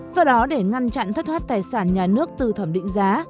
do đó để ngăn chặn thất thoát tài sản nhà nước từ thẩm định giá